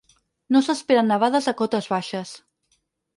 No s’esperen nevades a cotes baixes.